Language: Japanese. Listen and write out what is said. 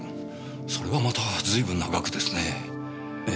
それはまた随分な額ですねえ。